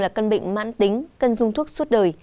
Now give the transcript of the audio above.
là căn bệnh mãn tính cân dung thuốc suốt đời